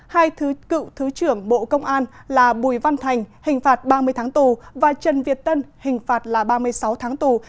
hai thứ cựu thứ trưởng bộ công an là bùi văn thành hình phạt ba mươi tháng tù và trần việt tân hình phạt là ba mươi sáu tháng tù